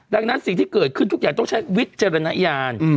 ดังนั้นสิ่งที่เกิดขึ้นทุกอย่างต้องใช้วิจารณญาณ